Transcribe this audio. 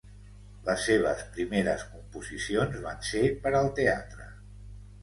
Les seves primeres composicions van ser per al teatre.